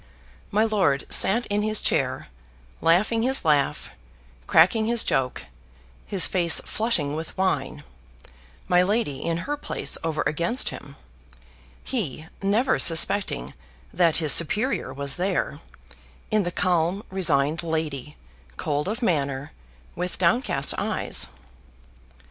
My lord sat in his chair, laughing his laugh, cracking his joke, his face flushing with wine my lady in her place over against him he never suspecting that his superior was there, in the calm resigned lady, cold of manner, with downcast eyes.